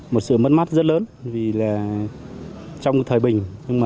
một sự mất mát rất lớn vì là trong thời bình